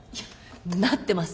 なってます。